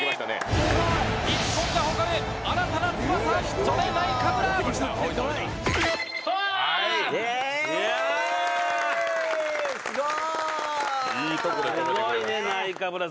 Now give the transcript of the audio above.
日本が誇る新たな翼、ジョネ・ナイカブラ！